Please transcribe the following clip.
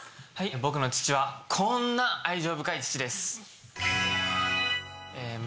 僕の父はこんな愛情深い父です。